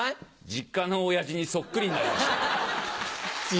実家の親父にそっくりになりました。